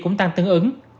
cũng tăng tương ứng